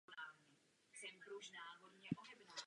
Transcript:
Následující rok však zemřela.